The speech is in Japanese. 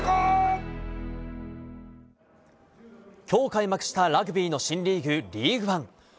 今日開幕したラグビーの新リーグ、リーグワン。